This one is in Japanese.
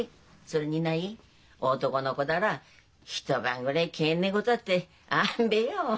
それにない男の子だら一晩ぐれえ帰んねえことだってあんべよ。